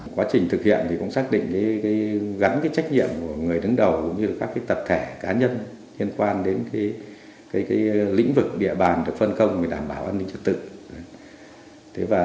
quá trình thực hiện thì cũng xác định gắn trách nhiệm của người đứng đầu cũng như các tập thể cá nhân liên quan đến lĩnh vực địa bàn được phân công đảm bảo an ninh trật tự